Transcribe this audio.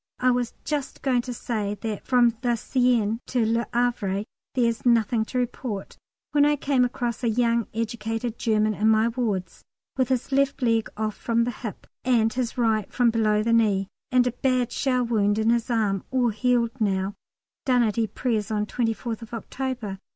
I was just going to say that from the Seine to Le Havre there is nothing to report, when I came across a young educated German in my wards with his left leg off from the hip, and his right from below the knee, and a bad shell wound in his arm, all healed now, done at Ypres on 24th October.